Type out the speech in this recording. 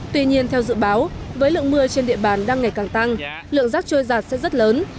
tuy nhiên theo dự báo với lượng mưa trên địa bàn đang ngày càng tăng lượng rác trôi giạt sẽ rất lớn